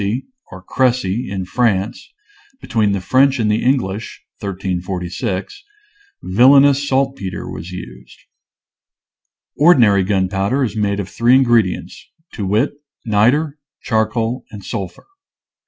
Crecy, or Cressy, in France, between the French and English (1346), "villainous salt peter " was used. Ordinary gunpowder is made of three in gredients, to wit: niter, charcoal, and sul phur.